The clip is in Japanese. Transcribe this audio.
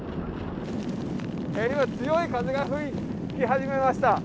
今、強い風が吹き始めました。